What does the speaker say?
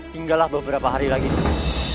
kita sudah berjamaah beberapa hari lagi disini